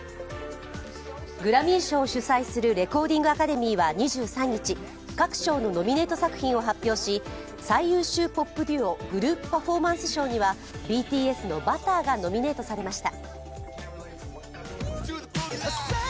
グラミー賞を主催するレコーディングアカデミーは、各賞のノミネート作品を発表し最優秀ポップ・デュオ／グループ・パフォーマンス賞にはＢＴＳの「Ｂｕｔｔｅｒ」がノミネートされました。